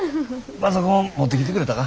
パソコン持ってきてくれたか？